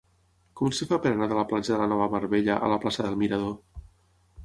Com es fa per anar de la platja de la Nova Mar Bella a la plaça del Mirador?